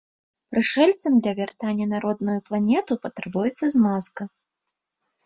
Прышэльцам для вяртання на родную планету патрабуецца змазка.